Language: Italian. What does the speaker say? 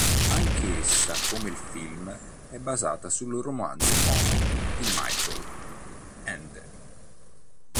Anch'essa, come il film, è basata sul romanzo Momo di Michael Ende.